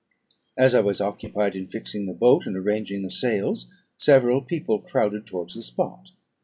As I was occupied in fixing the boat and arranging the sails, several people crowded towards the spot.